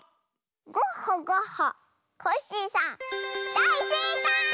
ゴッホゴッホコッシーさんだいせいかい！